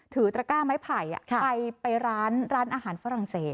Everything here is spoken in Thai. ตระก้าไม้ไผ่ไปร้านอาหารฝรั่งเศส